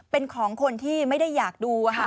เป็นของคนที่ไม่ได้อยากดู